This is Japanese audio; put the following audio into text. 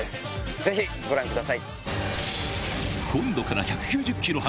ぜひご覧ください。